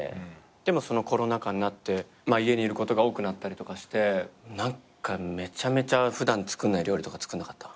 でもコロナ禍になって家にいることが多くなったりとかして何かめちゃめちゃ普段作んない料理とか作んなかった？